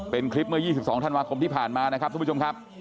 เป็นคลิปเมื่อ๒๒ธันวาคมที่ผ่านมานะครับทุกผู้ชมครับ